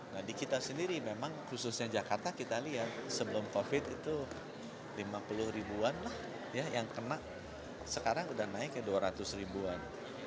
nah di kita sendiri memang khususnya jakarta kita lihat sebelum covid itu lima puluh ribuan lah yang kena sekarang udah naik ke dua ratus ribuan